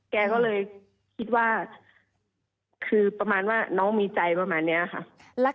แกก็เลยคิดว่าคือประมาณว่าน้องมีใจประมาณนี้ค่ะ